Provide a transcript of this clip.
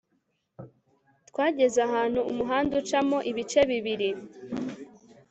twageze ahantu umuhanda ucamo ibice bibiri